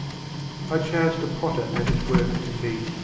I chanced a Potter at his Work to meet.